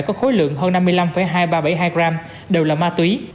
có khối lượng hơn năm mươi năm hai nghìn ba trăm bảy mươi hai gram đều là ma túy